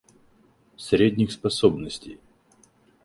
Средних способностей.